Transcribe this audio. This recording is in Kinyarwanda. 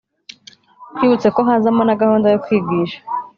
twibutse ko hazamo na gahunda yo kwigisha.